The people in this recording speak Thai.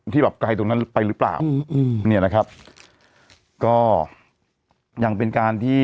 ที่แบบไกลตรงนั้นไปหรือเปล่าอืมเนี่ยนะครับก็ยังเป็นการที่